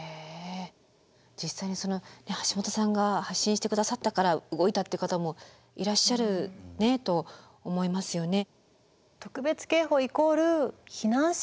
実際に橋本さんが発信して下さったから動いたって方もいらっしゃると思いますよね。